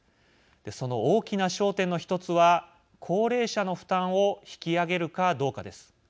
その大きな焦点の１つは高齢者の負担を引き上げるかどうかです。